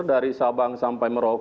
dari sabang sampai meromong